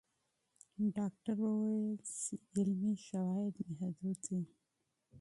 ډاکټره وویل چې علمي شواهد محدود دي.